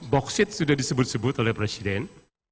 bauksit sudah disebut sebut oleh presiden